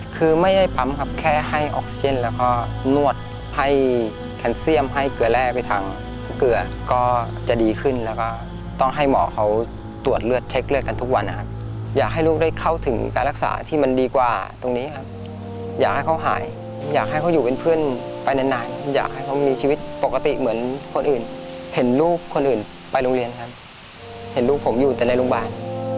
บริษัทบริษัทบริษัทบริษัทบริษัทบริษัทบริษัทบริษัทบริษัทบริษัทบริษัทบริษัทบริษัทบริษัทบริษัทบริษัทบริษัทบริษัทบริษัทบริษัทบริษัทบริษัทบริษัทบริษัทบริษัทบริษัทบริษัทบริษัท